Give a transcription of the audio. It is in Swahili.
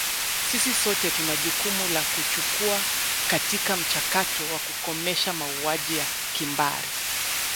Sisi sote tuna jukumu la kuchukua katika mchakato wa kukomesha mauaji ya kimbari